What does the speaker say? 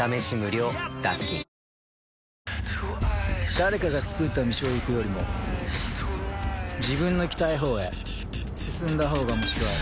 誰かがつくった道を行くよりも自分の行きたい方へ進んだ方がおもしろい